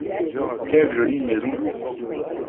Quelle jolie maison !